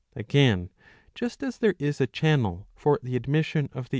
Again, just as there is a channel for the admission of the 650 a.